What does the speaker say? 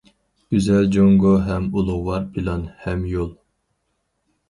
گۈزەل جۇڭگو ھەم ئۇلۇغۋار پىلان، ھەم يول.